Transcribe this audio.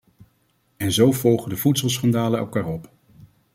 En zo volgen de voedselschandalen elkaar op.